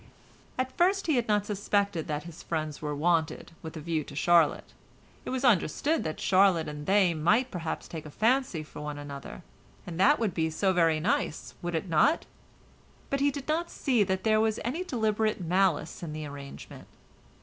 At first he had not suspected that his friends were wanted with a view to Charlotte; it was understood that Charlotte and they might perhaps take a fancy for one another; and that would be so very nice, would it not? But he did not see that there was any deliberate malice in the arrangement.